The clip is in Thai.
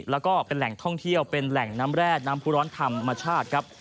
แล้วก็เป็นแหล่งท่องเที่ยวเป็นแหล่งน้ำแร่น้ำผู้ร้อนธรรมชาติครับ